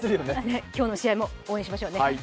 今日の試合も応援しましょうね。